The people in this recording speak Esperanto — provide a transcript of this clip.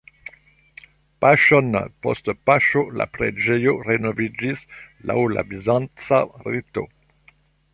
Paŝon post paŝo la preĝejo renoviĝis laŭ la bizanca rito.